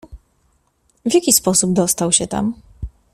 "W jaki sposób dostał się tam?"